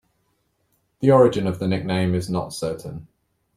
The origin of the nickname is not certain.